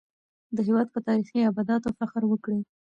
د هېواد په تاريخي ابداتو فخر وکړئ.